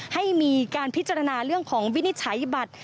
ให้มีการพิจารณาเรื่องของวินิจฉัยบัตร